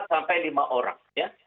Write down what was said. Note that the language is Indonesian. sampai lima orang ya